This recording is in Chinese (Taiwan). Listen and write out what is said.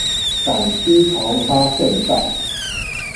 港區潮差甚大